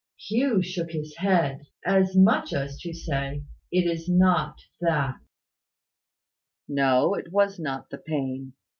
Hugh shook his head, as much as to say, "It is not that." No it was not the pain.